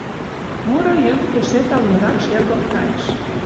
Муро йӱк эше талынрак шергылт кайыш.